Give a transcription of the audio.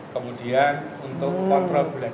kemudian untuk kontrol gula darah